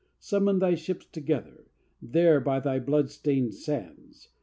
Summon thy ships together, there by thy blood stained sands!